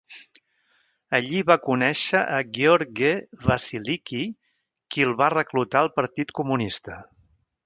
Allí va conèixer a Gheorghe Vasilichi, qui el va reclutar al Partit Comunista.